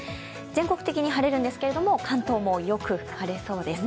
全国的に晴れるんですが、関東もよく晴れそうです。